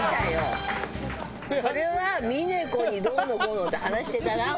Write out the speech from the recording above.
それは峰子にどうのこうのって話してたな２人で。